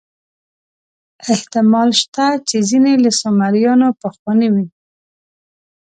احتمال شته چې ځینې له سومریانو پخواني وي.